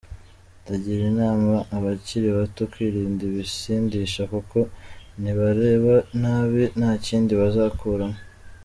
Ndagira inama abakiri bato kwirinda ibisindisha kuko nibareba nabi nta kindi bazakuramo.